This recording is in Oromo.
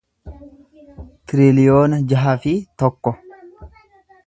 tiriliyoona jaha fi tokko